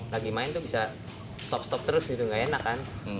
lagi main tuh bisa stop stop terus gitu gak enak kan